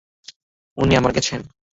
উনি আমার গেছেন!